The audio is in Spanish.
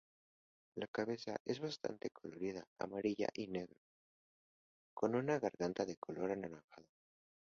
La cabeza es bastante colorida amarilla y negro, con una garganta de color anaranjado.